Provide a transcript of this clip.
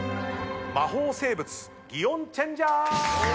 魔法生物擬音チェンジャー！